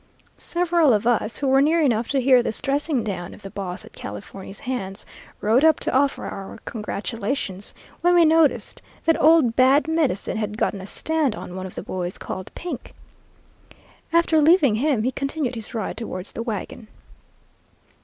"Several of us, who were near enough to hear this dressing down of the boss at Californy's hands, rode up to offer our congratulations, when we noticed that old Bad Medicine had gotten a stand on one of the boys called 'Pink.' After leaving him, he continued his ride towards the wagon.